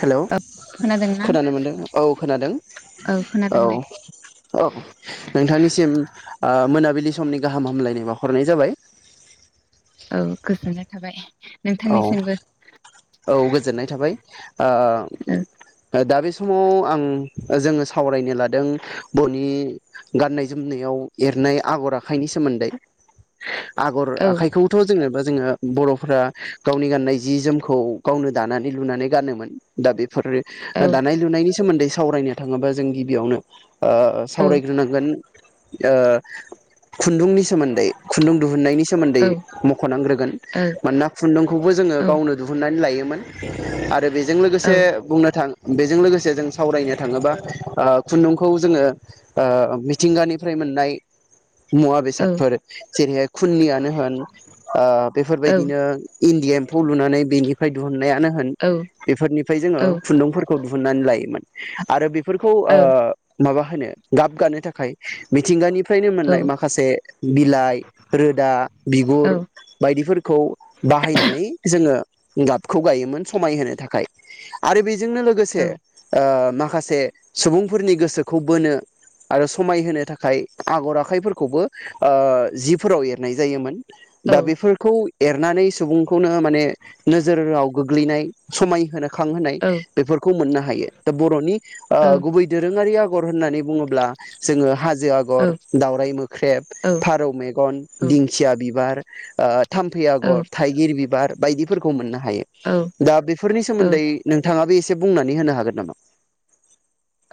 Hello! औ खोनादोंना खोनानो मोनदों औ खोनादों औ खोनादों दे औ नोंथांनिसिम आ मोनाबि लि समनि गाहाम हामलायनाय बावाहरनाय जाबाय । औ गोजोननाय थाबाय । औ नोंथांनिसिमबो । औ गोजोननाय थाबाय, आ औ दा बे समाव आं जोङो सावरायनो लादों ब'नि गाननाय जोमनायाव एरनाय आगर आखाइनि सोमोन्दै । आगर औ आखाइखौथ' जोङो जोङो बर'फोरा गावनि गाननाय जि जोम खौ गावनो दानानै लुनानै गानोमोन । दा बे फोर औ दानाय-लुनायनि सोमोन्दै सावरायनो थाङोबा जों गिबियावनो ओ औ सावरायग्रोनांगोन ओ खुन्दुंनि सोमोन्दै, खुन्दुं दिुहुननायनि सोमोन्दै औ मख'नांग्रोगोन औ मानोना खुन्दुंखौबो जोङो औ गावनो लायोमोन आथ बेजों औ लोगोसे बुंनो थां बेजों लोगोसे जों सावरायनो थाङोबा ओ खुन्दुंखौ जोङो ओ मिथिंगानिफ्राय मोननाय मुवा औ बेसादफोर जेरैहाय खुुननियानो होन ओ बेफोरबायदिनो इन्दि एम्फौ लुनानै निफ्राय दोहुननायानो होन औ बेफोरनिफ्राय जोङो खुन्दुंफोरखौ दुहुननानै लायोमोन आरो बे फोरखौ औ ओ माबा होनो गाब गानो था खाय मिथिंगानिफ्रायनो मोननाय माखासे बिलाइ रोदा बिगुर बायदिफोरखौ बाहायनानै जोङो गाबखौ गायोमोन समाय होनो थाखाय आरो बे जोंनो औ लोगोसे ओ मा खासे सुबुंफोरनि गोसोखौ बोनो आरो समायहोनो थाखाय आगर आखाइफोरखौबो ओ जिफोराव एरनाय जायोमोन, दा बेफोरखौ एरनानै सुबुंखौनो माने नोजोरराव गोग्लैनाय समाय होनो खां होनाय औ बेफोरखौ मोननो हायो दा बर'नि ओ गुबै दोरोङारि आगर होननानै बुङोब्ला जोङो हाज जो आगर दावराय मोख्रेब फारौ मेगन दिंखिया बिबार आ थाम्फै आगर थाइगिर बिब बार बायदिफोरखौ मोननो हायो दा बेफोरनि औ सोमोन्दै नोंथाङाबो एस से बुंनानै होनो हागोन नामा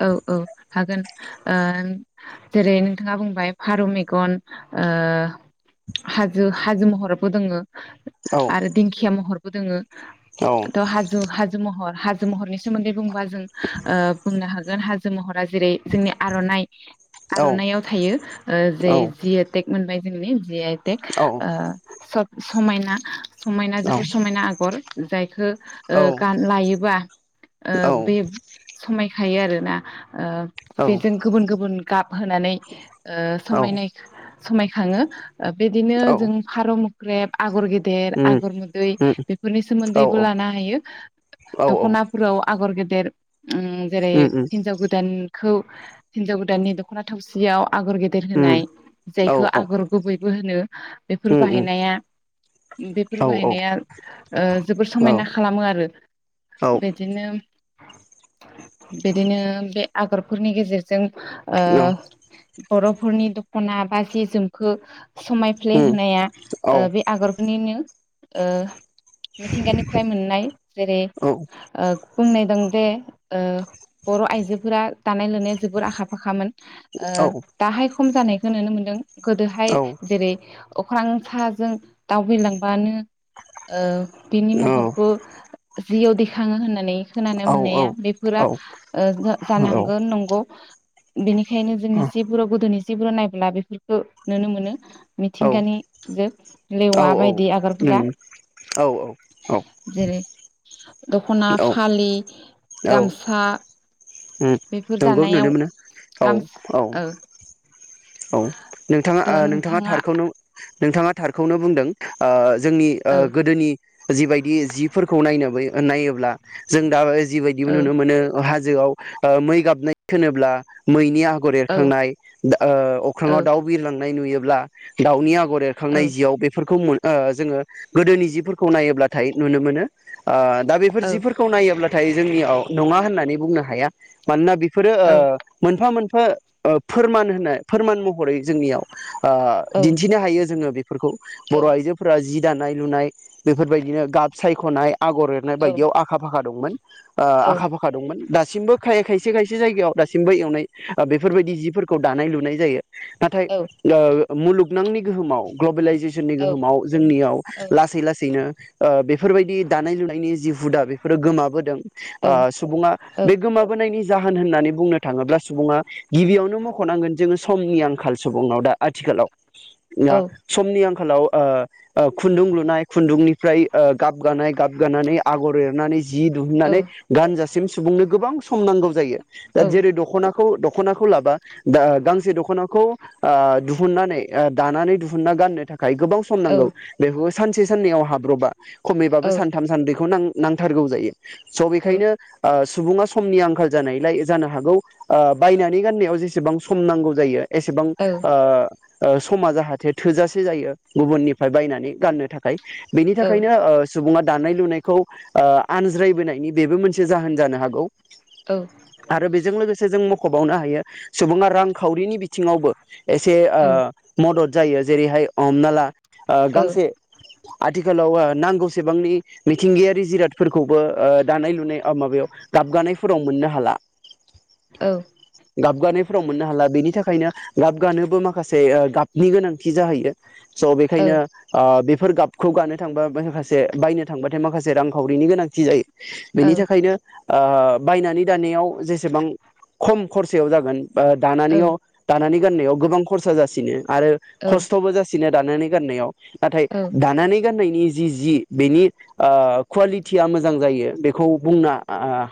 औ -औ हागोन ओ जेरै नोंथाङा बुंबाय फारौ मेगन ओ हाजो हाजो महरबो दोङो औ आरो दिंखिया महर बो दोङो औ त हाजु हाजु महर हाज जो महरनि सोमोनदै बुंबा ज जों ओ हागोन हाजो महर जेरै जोंनि आर'नाइ औ आर'नाइआव थायो जे औ जि ए टेक मोनबाय [unintelligible] टेक औ ओ सद समायना समायना औ जोबोर समायना आगर। जायखौ औ गान लायोबा बे खायो आरोना औ बेजों गुबुन गुबुन गाब होनानै औ समायनाय समायखाङो बिदिनो औ जों फार' ग्रेब आगर गिद देर उम आगर मोदै उम बेफोरनि औ सोमोन्दैबो लानो हायो औ औ दख'नाफोराव आगर गेदेर जेरै उम उम हिनजाव गोदान खौ हिनजाव गोदाननि दख'ना थावसियाव आगर गेदेर उम होनाय औ जायखौ औ आगर गुबै होनो बेफोर उम उम बाहायनाया औ बेफोर उम औ औ बाहायनाया जोबोर समायना खालामो आरो बिदिनो बिदिनो बे आगरफोरनि गेजेरजों ओ बर'फोरनि दख'ना बा जि जोमखो समायफ्ले होनाया ओ बे आगरफोरनिनो ओ मिथिंगानिफ्राय मोननाय जेरै ओ बुंनाय दं दे ओ बर' आइजोफोरा दानाय लुनाया जोबोर आखा फाखामोन ओ दाहाय खम जानायखौ नुनो मोन्दों। गोदोहाय जेरै अख्रां साजों दाव बिरलांबानो ओ बिनि महरखौ जियाव दैखाङो होननानै खोनानो मोननाया बे ओ जानो उम हांगोन नंगौ बिनि खायनो जोंनि जिफोरावबो गोदोनि [unintelligible] नायब्ला बेफोरखौ नुनो मोनो। मिथिंगानि जे लेवा बायदि आगरफोरा औ जेरै औ दख'ना औ फालि औ गामसा उम बेफोर नंगौ दानायाव नुनो मोनो औ गामसा औ ओ औ नोंथाङा ओ नोंथाङा थारखौनो नोंथाङा थारखौनो बुंदों ओ जोंनि ओ गोदोनि जिबायदि जिफोरखौ नायनो माबायो नायोब्ला जों दा जिबायदिबो ओ नुनो मोनो। [unintelligible] हाजोआव ओ मै गाबनाय खोनाब्ला मैनि आ गर ओ एरखांनाय ओ ओ अख्राङाव दाउ बिरलां नुयोब्ला दावनि आ गर ओ एरखांनाय जिआव बेफोरखौ मोन ओ जोङो गोदोनि जिफोरखौ नायोब्लाथाय नुनो मोनो ओ दा बेफोर जिफोरखौ नायोब्ला नाथाय जोंनियाव नङा होननानै बुंनो हाया मानोना फोर ओ औ मोनफा मोन फा फोरमान होनाय फोरमान महरै जोंनियाव ओ दिन्थिनो हायो जोङो बे फोरखौ औ बर आइजोफोरा जि दानाय लुनाय बेफोरबायदिनो गाब सायख'नाय । आगर एरनाय औ बायदियाव आखा फाखा दंमोन। ओ औ आखा फाखा दंमोन दासिमबो खाय खायसे खायसे जायगायाव दासिमबो एरनाय ओ बेफोरबायदि जिफोरखौ खौ दानाय लुनाय जायो। नाथाय ओ मुलुगनांनि गोहोमाव ग्लबेलाइजेसन सननि जोंनि औ गोहोमाव जोंनियाव लासै लासैनो ओ बेफोरबायदि दानाय लुनायनि जि हुदा बेफोरो गोमाबोदों औ ओ औ सुबुङा औ बे गोमाबोनायनि जाहोन होननानै बुंनो थाङोब्ला सुबुङा गिबियावनो मख'नांगोन समनि आंखाल सुबुं दा आथिखालाव औ समनि आंखालाव ओ ओ खुन्दुं लुनाय खुन्दुंनिफ्राय ओ गाब गानाय गाब गानानै आगर एरनानै जि दिहुननानै गानजासिम सुबुंनो गोबां सम नांगौ जायो दा औ जेरै दख'ना खौ दख'ना। खनाखौ लाबा दा दख'नाखौ ओ दुहुनानै दानानै दुहुननानै गाननो थाखाय गोबाव सम औ नांगौ बेखौ सानसे साननैयाव हाब्रबा। खमैबाबो औ सानथाम सानब्रैखौ नां नांथारगौ जायो। स बेखायनो सुबुङा समनि आंखाल जानायलाय जानो हागौ ओ बायनानै गाननायाव जेसेबां सम नांगौ जायो एसेबां ओ समा जाहाथे थोजासे जायो गुबुननिफ्राय बायनानै गाननो थाखाय। बेनि थाखायनो सुबुङा। दानाय लुनायखौ आनज्रायबोनायनि बेबो मोनसे। जाहोन जानो हागौ आरो बेजों लोगोसे जों। मखबावनो हायो। सुबुङा रांखावरिनि बिथिङावबो। एसे ओ मदद। जायो जेरैहाय। हमना ला गांसे। आथिखालाव नांगौसेबांनि। मिथिंगायारि जिरादफोरखौबो दानाय लुनाय माबायाव गाबगानायफोराव मोननो हाला गाबगानाय। हाला बेनि थाखायनो गाब गानोबो माखासे गाबनि गोनांथि जाहैयो। स बेखायनो। फोर गाबखौ गानो थांबा माखासे बायनो थांबाथाय माखासे रांखावरिनि गोनांथि जायो। बेनि थाखायनो ओ बायनानै दानायाव जेसेबां खम खरसायाव जागोन ओ दानानैयाव दानानै गाननायाव गोबां खरसा जासिनो। आरो खस्थ'बो जासिनो दानानै गाननायाव नाथाय दानानै गाननायनि जि जि बेनि ओ कवालिटिया मोजां जायो बेखौ बुंनो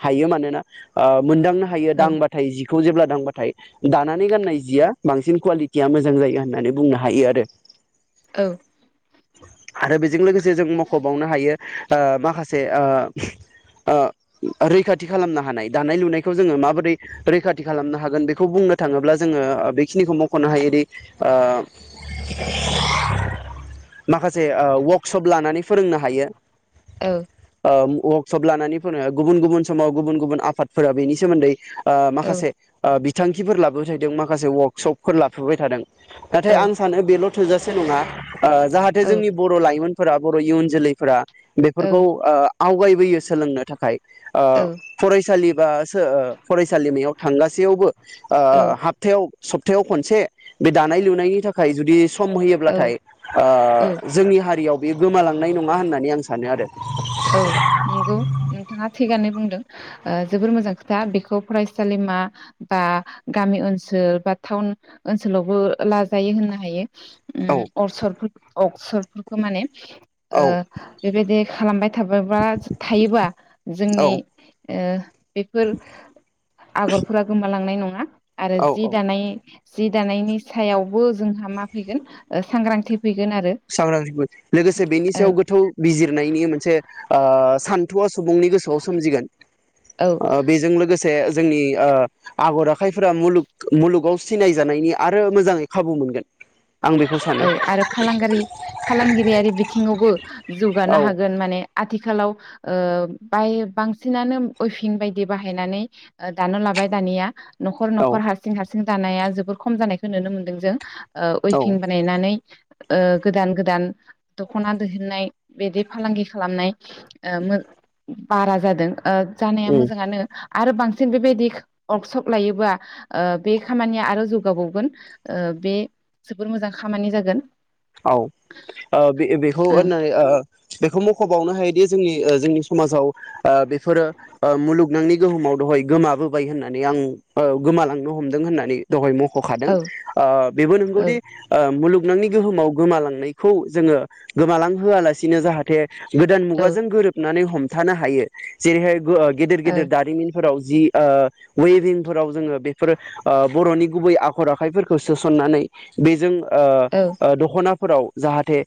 हायो मानोना ओ मोनदांनो हायो दांबाथाय जि खौ जेब्ला दांबाथाय दानानै गाननाय जिया बांसिन कुवालिटिया मोजां जायो होननानै बुंनो हायो आरो आरो बेजों लोगोसे जों मख'बावनो हायो। ओ माखासे ओ ओ रैखाथि खालामनो हानाय। दानाय लुनायखौ जोङो माबोरै रैखाथि खालामनो हागोन बे खौ बुंनो थाङोब्ला जोङो बेखिनिखौ मख'नो हायोदि ओ माखासे ओ वरकसप लानानै फोरोंनो हायो ओ वर्कसप लानानै फोरोङो गुबुन गुबुन समाव गुबुन गुबुन आफादफोरा बेनि सोमोन्दै ओ माखासे ओ बिथांखिफोर लाबो थादों माखासे वार्कशपफोर लाफाबाय थादों। नाथाय आं सानो बेल' थोजासे नङा ओ जाहाथे जोंनि बर' लाइमोन फोरा बर' इयुन जोलैफोरा बेफोरखौ आ आवगायबोयो सोलोंनो थाखाय ओ फरायसालि बा सो फरायसालिमायाव थांगासेयावबो ओ हाबथायाव सप्तायाव खनसे बे दानाय लुनायनि थाखाय जुदि सम औ औ होयोब्लाथाय आ औ जोंनि हारियाव बेयो गोमालांनाय नंङा होननानै आं सानो आरो औ नंगौ नोंथाङा थिगानो बुंदों ओ जोबोर मोजां खोथा बेखौ फरायसालिमा बा गामि ओनसोल बा टाउन ओनसोलावबो लाजायो होननो हायो। उम औ अरसरफो अक्सरफोरखौ माने ओ औ बेबायदि खालामबाय थाबायबा थायोबा जोंनि औ ओ बेफोर आगरफोरा गोमालांनाय नंङा आरो औ जि औ दानाय जि दानायनि सायावबो जोंहा मा फैगोन सांग्रांथि फैगोन आरो सांग्रां लोगोसे बेनि ओ सायाव गोथौ बिजिरनायनि मोनसे आ सान्थुवा सुबुंनि गोसोआव सोमजिगोन औ ओ बेजों लोगोसे से जोंनि आगर आखाइफोरा मुलु मुलुगाव सिनाय जानायनि आरो मोजांङै खाबु मोनगोन आं बेखौ औ सानो आरो फालां फालांगिरियारि बिथिंङावबो जौगानो औ हागोन माने आथिखालाव आथिखालाव बाय बांसिनानो अइभिं बायदि बाहायनानै दानो लाबाय दानिया नख औ नखर हारसिं हारसिं जानाया जोबोर खम जानायखौ नुनो मोनदों जों ओ औ इउभिं ओ गोदान गोदान दखना दैहुननाय बिदि फालांगि खालामनाय बारा जादों जानाया उम मोजांङानो आरो बांसिन बेबायदि वार्कशप लायोबा बे खामानिया आरो जौगाबावगोन ओ बे जोबोर मोजां खामानि जागोन औ बे बेखौ होननाय बेखौ मुख खबावनो हायोदि जोंनि जोंनि समाजाव बेफोरो मुलुगनांनि गोहोमाव दहाय गोमाबोबाय होननानै आं गोमालांनो हमदों होननानै दहाय मख होखादों ओ बेबो नंगौदि मुलुगनांनि गोहोमाव गोमालांनायखौ जोङो गोमालांहोआलासिनो जाहाथे गोदान मुगाजों गोरोबनानै हमथानो हायो जेरैहाय गो गेदेर गेदेर दारिमिन फोराव जि ओ वेभिंफोराव जोङो बेफोर ओ बर'नि गुबै आखर आखाइफोरखौ सोसननानै बेजों ओ ओ दखना दखना फोराव जाहाथे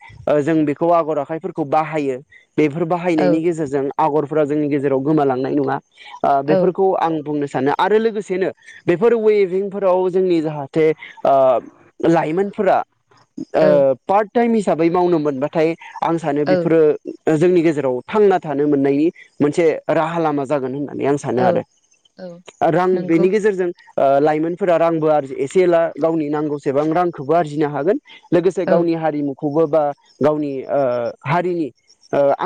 जों बेखौ आगर आखाइफोरखौ बाहायो। बेफोर बाहायनायनि गेजेरजों आगरफोरा जोंनि गेजेराव गोमालांनाय नङा। ओ बेफोरखौ आं बुंनो सानो आरो लोगोसेनो बेफोर वेभिंफोराव जोंनि जाहाथे ओ लाइमोनफोरा ओ पार्ट टाइम हिसाबै मावनो मोनबाथाय आं सानो बेफोरो दा जोंनि गेजेराव थांना थानो मोननायनि मोनसे राहा लामा जागोन होना। होननानै आं सानो आरो औ आरो आं नंगौ बेनि गेजेरजों ओ लाइमोनफोरा रांबो आरजि एसे एला गावनि नांगौसेबां रांखौबो आरजिनो हागोन। लोगोसे औ गावनि हारिमु खौबो बा गावनि हारिनि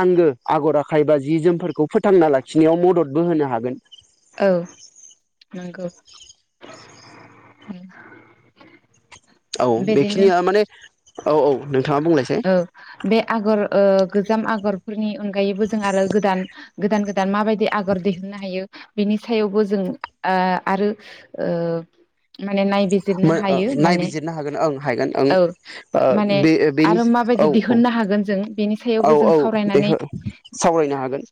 आंगो आगर आखाइ बा जि जोमफोरखौ फोथांना लाखिनायाव मददबो होनो हागोन। औ नंगौ। औ बेदिनो बेखिनिया माने औ औ नोंथाङा बुंनायसाय औ बे आगर ओ गोजाम आगरफोरनि अनगायैबो जों आरो गोदान गोदान गोदान माबायदि आगर दिहुननो हायो बिनि सायावबो जों ओ आरो माने नायबिजिरनो हायो माने नायनो हागोन ओं हागोन औ ओ माने बेनि आरो माबायदि औ औ दिहुननो हागोन जों बेनि औ सायावबो जों औ सावरायनानै बेखौ सावरायनो हागोन‌ ।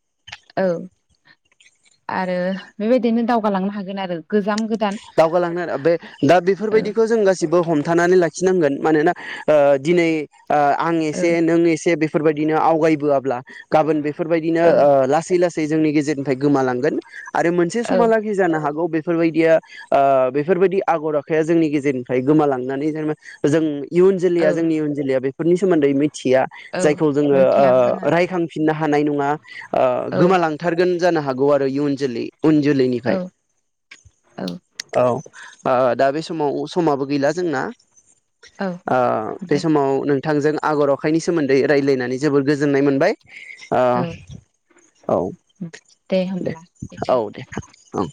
औ आरो बेबायदिनो दावगालांनो हागोन आरो। गोजाम गोदान दावगालांनो आरो बे दा ओ बेफोरबायदिखौ जों गासिबो हमथानानै लाखि लाखिनांगोन मानोना ओ दिनै ओ आं औ एसे नों एसे बे बेफोरबायदिनो आवगायबोआब्ला गाबोन बेफोरबायदिनो औ ओ लासै लासै जोंनि गेजेरनिफ्राय गोमालांगोन। आरो मोनसे औ समहालागै जानो हागौ बेफोरबायदि बेफोरबायदि आगर आखाया जोंनि गेजेरनिफ्राय गोमालांनानै जों इयुन औ जिलैया जोंनि इयुन जिलैया बे नि सोमोन्दै मि थिया औ जायखौ जोङो मोनथियाबो जानो हागौ रायखांफिननो हायो हानाय नङा। औ गोमालांथारगोन। जानो हागौ आरो इयुन जोलै। उन औ जोलैनिफ्राय। औ। दा बे समाव समाबो गैला जोंना। औ बे दे समाव नों। बिथांजों आगर आखाइनि सोमोन्दै रायज्लायनानै जोबोद गोजोननाय मोनबाय। औ औ दे होमब्ला बिदि औ दे औ।